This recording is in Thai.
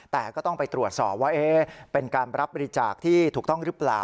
แต่ก็ต้องไปตรวจสอบว่าเป็นการรับบริจาคที่ถูกต้องหรือเปล่า